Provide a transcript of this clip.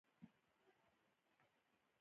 ایا ژوند مو ارام دی؟